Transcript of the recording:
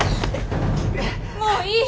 もういい！